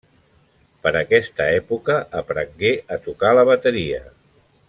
Per aquesta època, aprengué a tocar la bateria.